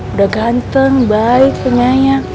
udah ganteng baik penyanyi